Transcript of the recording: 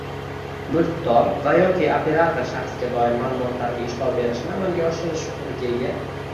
Mulkdor va yoki operator shaxsga doir ma’lumotlarga ishlov berishni amalga oshirish huquqiga ega.